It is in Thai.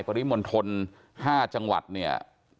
ปริมณฑล๕จังหวัด๑๗๐๐ราย